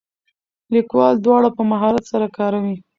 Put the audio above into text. لیکوال دواړه په مهارت سره کاروي.